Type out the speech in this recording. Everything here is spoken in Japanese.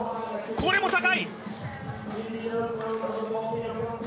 これも高い！